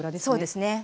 そうですね。